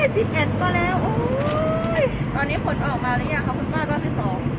สิบเอ็ดก็แล้วโอ้ยตอนนี้ผลออกมาหรือยังคะคุณป้ารอบที่สอง